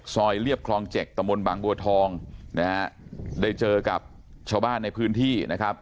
เรียบคลองเจ็ดตะมนต์บางบัวทองนะฮะได้เจอกับชาวบ้านในพื้นที่นะครับ